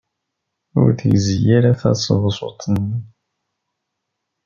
Ur tegzi ara taseḍsut-nni.